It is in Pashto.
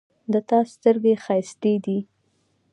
د تا سترګې ښایستې دي